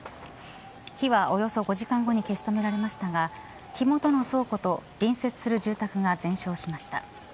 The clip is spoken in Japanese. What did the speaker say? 火は、およそ５時間後に消し止められましたが火元の倉庫と隣接する住宅が全焼しました。